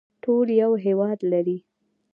ټول یو هیواد لري